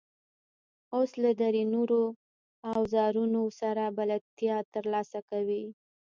اوس له درې نورو اوزارونو سره بلدیتیا ترلاسه کوئ.